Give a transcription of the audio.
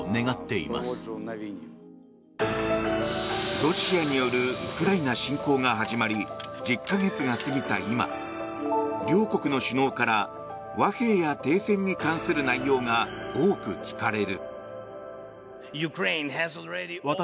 ロシアによるウクライナ侵攻が始まり１０か月が過ぎた今両国の首脳から和平や停戦に関する内容が多く聞かれる。